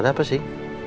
ada apa sih